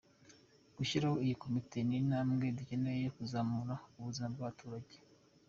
Gushyiraho iyi komite ni intambwe duteye yo kuzamura ubuzima bw’abaturage.